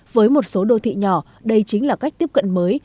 với một số đô thị nhỏ đây chính là cách tiếp cận mới